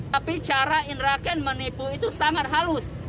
tapi cara inraken menipu itu sangat halus